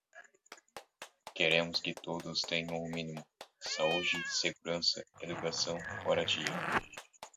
Queremos que todos tenham o mínimo: saúde, segurança, educação, moradia